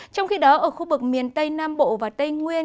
trong khi đó ở khu vực miền tây nam bộ và tây nguyên